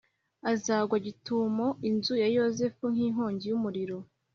azagwa gitumo inzu ya Yozefu nk’inkongi y’umuriro,